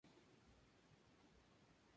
Su sede se encuentra en Ginebra, Suiza.